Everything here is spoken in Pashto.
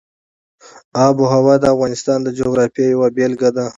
آب وهوا د افغانستان د جغرافیې یوه بېلګه ده.